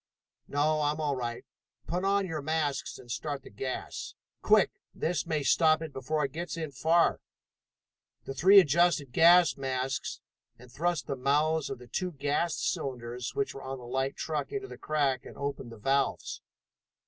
"No, I'm all right. Put on your masks and start the gas! Quick! That may stop it before it gets in far!" The three adjusted gas masks and thrust the mouths of two gas cylinders which were on the light truck into the crack, and opened the valves.